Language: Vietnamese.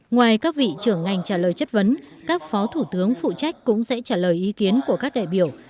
ngoài các vị trưởng ngành trả lời chất vấn các phó thủ tướng phụ trách cũng sẽ trả lời ý kiến của các đại biểu